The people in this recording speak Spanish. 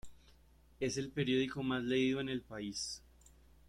Es el periódico más leído en el país.